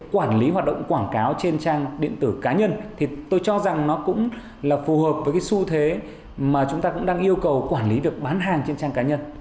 quản lý hoạt động quảng cáo trên trang điện tử cá nhân thì tôi cho rằng nó cũng là phù hợp với cái xu thế mà chúng ta cũng đang yêu cầu quản lý việc bán hàng trên trang cá nhân